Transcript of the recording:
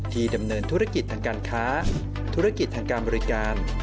ดำเนินธุรกิจทางการค้าธุรกิจทางการบริการ